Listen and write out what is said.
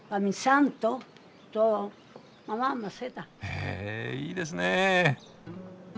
へえいいですね。